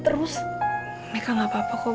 terus mereka gak apa apa kok